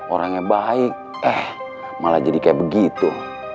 orangnya baik eh malah jadi kayak begitu